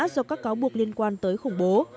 do các cáo buộc liên quan tới khủng bố